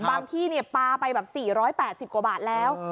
บางที่ปลาไปแบบ๔๘๐กว่าบาทแล้ว